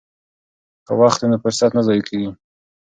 که وخت وي نو فرصت نه ضایع کیږي.